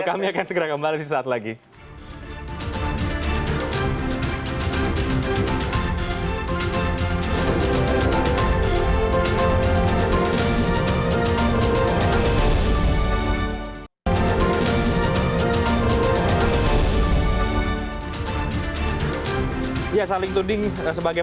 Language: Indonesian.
kami akan segera kembali suatu saat lagi